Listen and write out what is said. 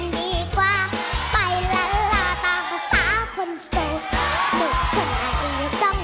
ปีแก่โหบสิ่ง